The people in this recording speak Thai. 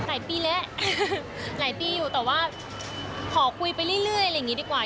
หลายปีแล้วหลายปีอยู่แต่ว่าขอคุยไปเรื่อยอะไรอย่างนี้ดีกว่า